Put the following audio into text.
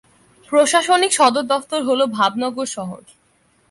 প্রশাসনিক সদর দফতর হল ভাবনগর শহর।